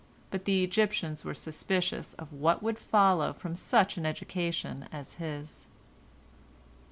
But the Egyptians were suspicious of what would follow from such an education as his.